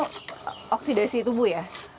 ini juga oksidasi tubuh ya